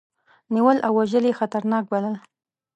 نیول او وژل یې خطرناک بلل.